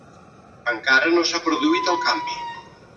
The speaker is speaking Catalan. Encara no s'ha produït el canvi.